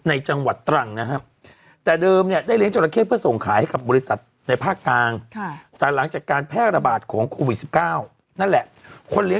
มันถึงกลายเป็นเมนูสารภัทรจราเข้ไง